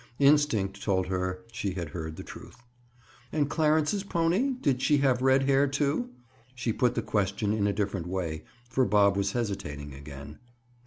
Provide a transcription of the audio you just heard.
Instinct told her she had heard the truth. "And Clarence's pony—did she have red hair, too?" She put the question in a different way, for Bob was hesitating again.